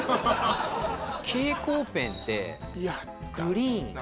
蛍光ペンってグリーンやだ